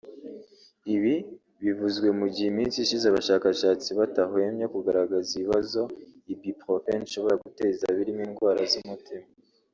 Ibi bivuzwe mu gihe mu minsi ishize abashakashatsi batahwemye kugaragaza ibibazo Ibuprofen ishobora guteza birimo indwara z’umutima